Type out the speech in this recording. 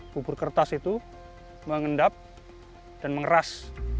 bubur kertas itu mengendap dan mengeras